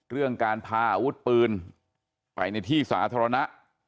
เรื่องการพาอาวุธปืนไปในที่สาธารณะ